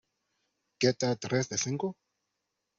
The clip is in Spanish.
¿ Que tal tres de cinco?